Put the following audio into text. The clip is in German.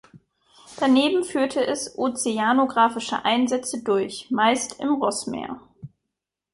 Daneben führte es ozeanografische Einsätze durch, meist im Rossmeer.